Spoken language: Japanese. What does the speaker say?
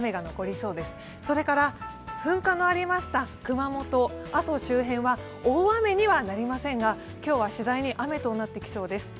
それから、噴火のありました熊本、阿蘇周辺は大雨にはなりませんが、今日はしだいに雨となってきそうです。